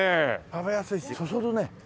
食べやすいしそそるね。